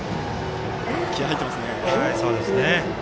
気合い入ってますね。